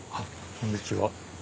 こんにちは。